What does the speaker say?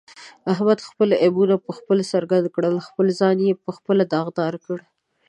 احمد خپل عیبونه په خپله څرګند کړل، خپل ځان یې په خپله داغدارکړ.